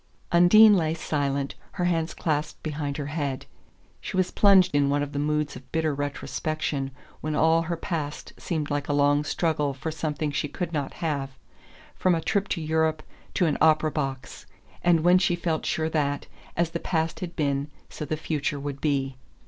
Undine lay silent, her hands clasped behind her head. She was plunged in one of the moods of bitter retrospection when all her past seemed like a long struggle for something she could not have, from a trip to Europe to an opera box; and when she felt sure that, as the past had been, so the future would be.